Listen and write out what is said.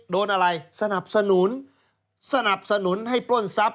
โดนอะไรสนับสนุนสนับสนุนให้ปล้นทรัพย